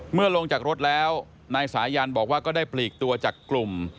ลงจากรถแล้วนายสายันบอกว่าก็ได้ปลีกตัวจากกลุ่ม